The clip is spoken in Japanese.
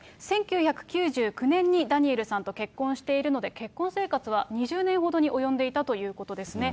１９９９年にダニエルさんと結婚しているので、結婚生活は２０年ほどに及んでいたということですね。